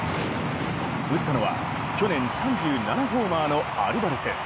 打ったのは去年３７ホーマーのアルバレス。